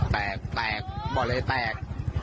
แตกแตกบ่อเลยแตก